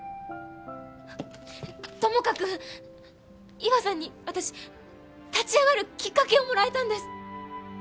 ともかく伊和さんに私立ち上がるきっかけをもらえたんです。